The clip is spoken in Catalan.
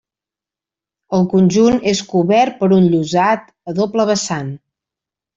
El conjunt és cobert per un llosat a doble vessant.